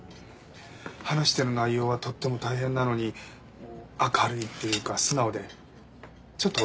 話してる内容はとっても大変なのに明るいっていうか素直でちょっと驚いた。